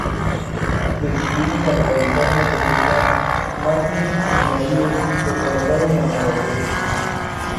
Decididos a realizar una película, Martin y Marie se trasladan a Nueva York.